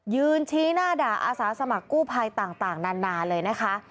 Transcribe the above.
ยืนชี้หน้าด่าอาสาสมัครกู้ภัยต่างนานเลยนะคะ